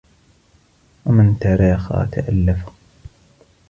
وَمَنْ تَرَاخَى تَأَلَّفَ